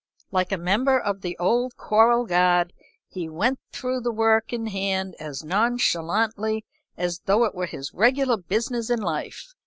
Like a member of the Old Choral Guard, he went through the work in hand as nonchalantly as though it were his regular business in life.